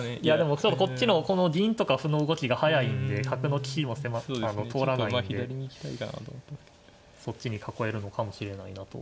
こっちのこの銀とか歩の動きが速いんで角の利きも通らないんでそっちに囲えるのかもしれないなと。